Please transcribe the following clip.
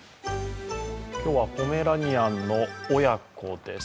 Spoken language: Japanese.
今日はポメラニアンの親子です。